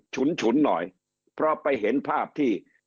ฉุนฉุนหน่อยเพราะไปเห็นภาพที่